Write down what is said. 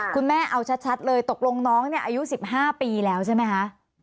คุณแม่เอาชัดเลยตกลงน้องเนี่ยอายุ๑๕ปีแล้วใช่ไหมคะ